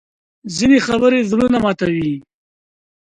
ځینې خبرې زړونه ماتوي